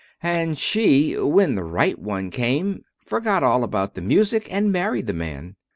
"And she when the right one came forgot all about the music, and married the man.